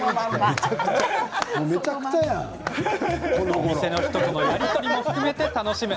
お店の人とのやり取りも含めて楽しむ。